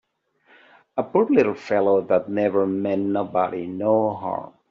A poor little fellow that never meant nobody no harm!